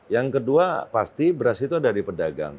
yang kedua pasti beras itu ada di pedagang